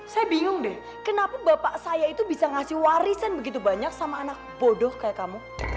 saya bingung deh kenapa bapak saya itu bisa ngasih warisan begitu banyak sama anak bodoh kayak kamu